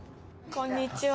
こんにちは。